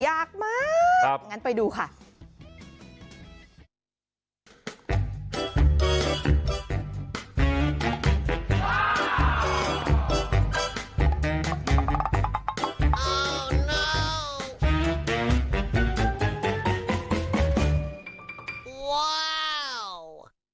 ยากมากงั้นไปดูค่ะ